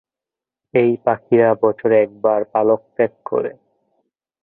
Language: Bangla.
এই পাখিরা বছরে একবার পালক ত্যাগ করে।